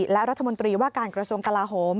และรัฐมนตรีว่าการกระทรวงกลาโหม